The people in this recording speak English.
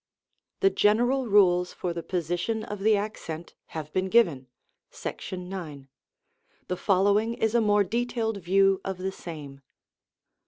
The general rules for the position of the accent have been given (§9). The following is a more de tailed view of the same.